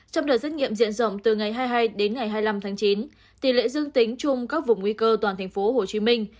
trong đợt xét nghiệm diện rộng từ ngày hai mươi hai đến ngày hai mươi năm tháng chín tỷ lệ dương tính chung các vùng nguy cơ toàn thành phố hồ chí minh